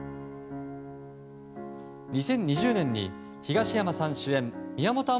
２０２０年に東山さん主演宮本亞